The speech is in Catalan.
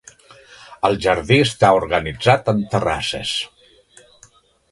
El jardí està organitzat en terrasses.